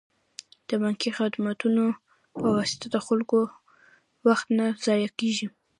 د بانکي خدمتونو په واسطه د خلکو وخت نه ضایع کیږي.